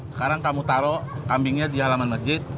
sekarang kamu taruh kambingnya di halaman masjid